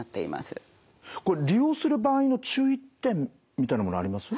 これ利用する場合の注意点みたいなものあります？